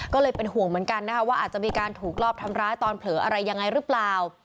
ก็เลยเป็นห่วงเหมือนกันนะคะว่าอาจจะมีการถูกรอบทำร้ายตอนเผลออะไรยังไงหรือเปล่า